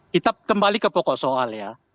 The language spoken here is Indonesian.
kita kembali ke pokok soal ya